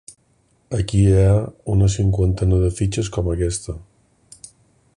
Aquí hi ha una cinquantena de fitxes com aquesta.